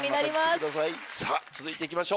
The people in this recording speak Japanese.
続いていきましょう。